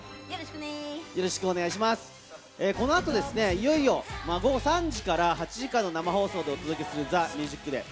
この後ですね、いよいよ午後３時から８時間の生放送でお届けする『ＴＨＥＭＵＳＩＣＤＡＹ』。